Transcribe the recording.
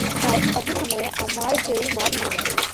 প্রায় একই সময়ে আমার ভেলমা ভেঙ্গে যায়।